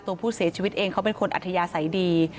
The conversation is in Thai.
ตัวผู้เสียชีวิตเองเขาเป็นคนอัธยาศัยดี